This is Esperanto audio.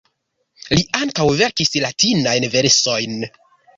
Li ankaŭ verkis latinajn versojn.